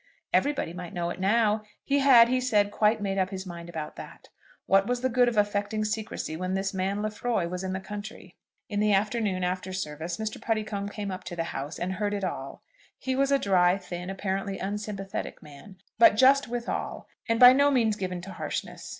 Everybody might know it now. He had, he said, quite made up his mind about that. What was the good of affecting secrecy when this man Lefroy was in the country? In the afternoon, after service, Mr. Puddicombe came up to the house, and heard it all. He was a dry, thin, apparently unsympathetic man, but just withal, and by no means given to harshness.